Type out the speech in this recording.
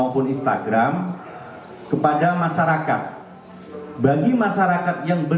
diam diam diam